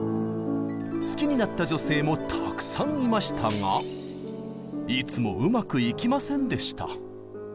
好きになった女性もたくさんいましたがいつもうまくいきませんでした。